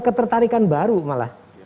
ketertarikan baru malah